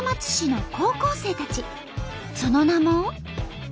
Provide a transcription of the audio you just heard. その名も。